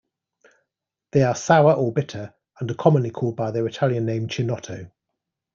They are sour or bitter and are commonly called by their Italian name, "chinotto".